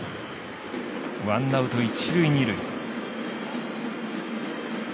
ワンアウト、一塁、二塁。